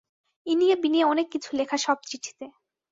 ইনিয়ে-বিনিয়ে অনেক কিছু লেখা সব চিঠিতে।